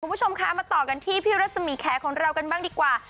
คุณผู้ชมคะมาต่อกันที่พี่รัศมีแขของเรากันบ้างดีกว่า